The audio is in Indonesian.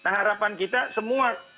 harapan kita semua